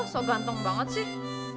so ganteng banget sih